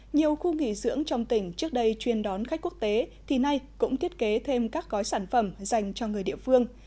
nhiều khu nghỉ dưỡng trong tỉnh trước đây chuyên đón khách quốc tế thì nay cũng thiết kế thêm các gói sản phẩm dành cho người địa phương